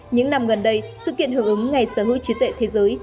những năm gần đây sự kiện hưởng ứng ngày sở hữu trí tuệ thế giới